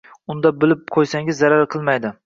Unda bilib qoʻysangiz zarar qilmaydi.